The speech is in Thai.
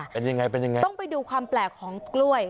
เป็นยังไงเป็นยังไงต้องไปดูความแปลกของกล้วย